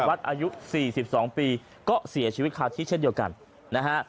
วัดอายุ๔๒ปีก็เสียชีวิตคาที่เช่นเดียวกันนะฮะ